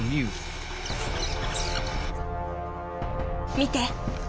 見て！